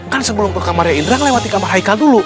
kan sebelum ke kamarnya indra ngelewati kamar haikal dulu